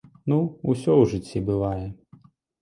Ну, усё ж у жыцці бывае!